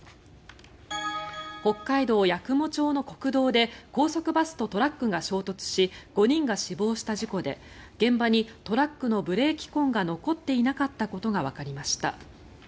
北海道八雲町の国道で高速バスとトラックが衝突し５人が死亡した事故で現場にトラックのブレーキ痕が残っていなかったことがわかりました。